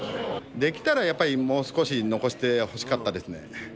できたらやっぱり、もう少し残してほしかったですね。